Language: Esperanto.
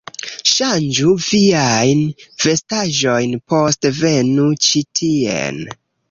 Ŝanĝu viajn vestaĵojn, poste venu ĉi tien